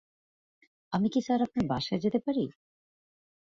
আমি কি স্যার আপনার বাসায় যেতে পারি?